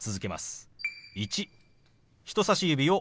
「１」。